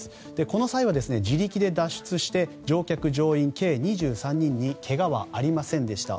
この際は、自力で脱出して乗客・乗員計２３人にけがはありませんでした。